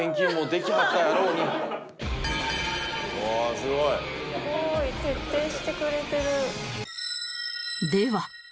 「うわすごい」「すごい。徹底してくれてる」